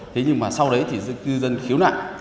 thế nhưng mà sau đấy thì dân khíu nạn